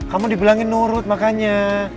kamu dibilangin nurut makanya